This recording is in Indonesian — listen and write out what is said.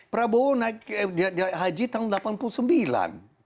prabowo naik haji tahun seribu sembilan ratus delapan puluh sembilan